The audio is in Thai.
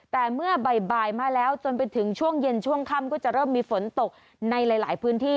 แต่เมื่อบ่ายมาแล้วจนไปถึงช่วงเย็นช่วงค่ำก็จะเริ่มมีฝนตกในหลายพื้นที่